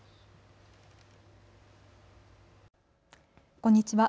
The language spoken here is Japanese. こんにちは。